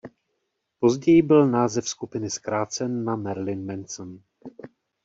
Později byl název skupiny zkrácen na "Marilyn Manson".